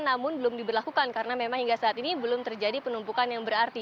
namun belum diberlakukan karena memang hingga saat ini belum terjadi penumpukan yang berarti